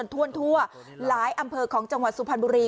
ทั่วหลายอำเภอของจังหวัดสุพรรณบุรี